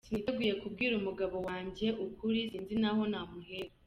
Siniteguye kubwira umugabo wanjye ukuri sinzi naho namuhera.